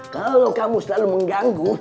kalau kamu selalu mengganggu